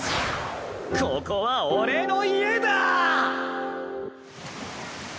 ここは俺の家だ！